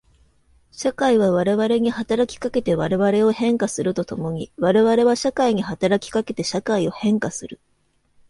社会は我々に働きかけて我々を変化すると共に我々は社会に働きかけて社会を変化する。